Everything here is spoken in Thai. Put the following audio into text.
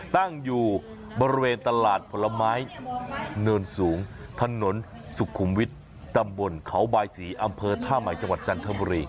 ตั้งอยู่บริเวณตลาดผลไม้เนินสูงถนนสุขุมวิทย์ตำบลเขาบายศรีอำเภอท่าใหม่จังหวัดจันทบุรี